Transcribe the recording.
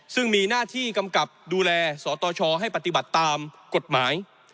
ซึ่งมีหน้าที่กำกับดูแลสตชให้ปฏิบัติตามกฎหมาย